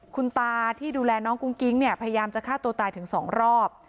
คุณตาที่ดูแลน้องกุ้งกิ๊งเนี่ยพยายามจะฆ่าตัวตายถึง๒รอบ